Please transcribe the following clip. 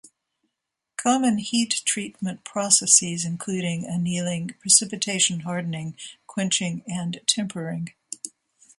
Common heat treatment processes include annealing, precipitation hardening, quenching, and tempering.